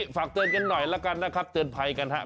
ฝากเตือนกันหน่อยแล้วกันนะครับเตือนภัยกันครับ